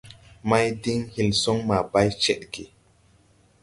Mày diŋ hil son maa bay ced ge.